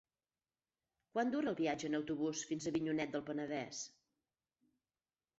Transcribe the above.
Quant dura el viatge en autobús fins a Avinyonet del Penedès?